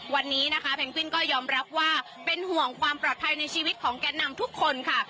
วันนี้นะคะเพนกวินก็ยอมรับว่าเป็นห่วงความปลอดภัยในชีวิตของแก่นำทุกคนค่ะ